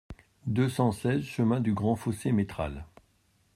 deux cent seize chemin du Gd Fossé Métral